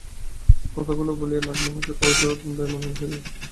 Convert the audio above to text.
কথাগুলি বলিয়া নাগ-মহাশয় করজোড়ে দণ্ডায়মান রহিলেন।